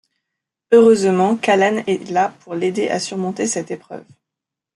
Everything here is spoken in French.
Heureusement qu’Alan est là pour l’aider à surmonter cette épreuve.